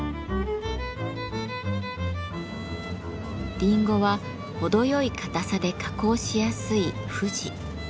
リンゴは程よい固さで加工しやすい「ふじ」。